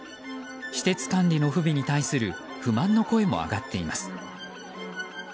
施設管理の不備に対する不満の声も上がっています。